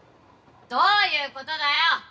どういうことだよ！